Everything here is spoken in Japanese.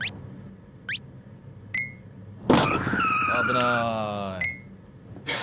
危ない。